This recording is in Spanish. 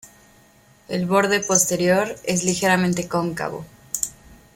El borde posterior es ligeramente cóncavo.